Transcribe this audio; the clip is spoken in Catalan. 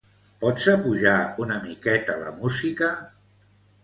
Pots apujar una miqueta la música?